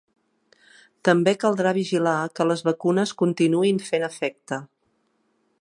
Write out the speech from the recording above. També caldrà vigilar que les vacunes continuïn fent efecte.